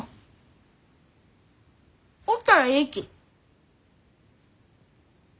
おったらえいき。